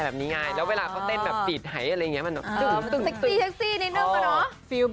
เบิ้ลเขาก็ต้องจัดระเบียบ